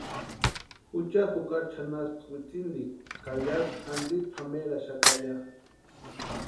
Jucha jukari chʼanaspka witsintikwa ka yásï jantsiri pʼameraaxaka ya.